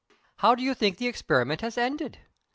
How do you think the experiment has ended?